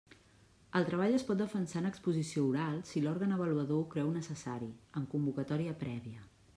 El treball es pot defensar en exposició oral, si l'òrgan avaluador ho creu necessari, amb convocatòria prèvia.